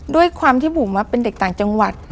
ด้วยความที่บุ๋มเป็นเด็กต่างจังหวัด